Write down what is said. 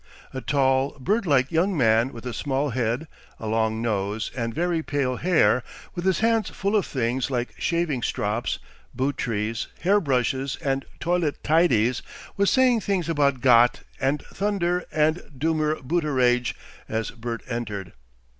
A tall, bird like young man with a small head, a long nose, and very pale hair, with his hands full of things like shaving strops, boot trees, hair brushes, and toilet tidies, was saying things about Gott and thunder and Dummer Booteraidge as Bert entered.